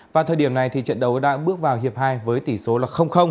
và thời điểm này thì trận đấu đã bước vào hiệp hai với tỷ số là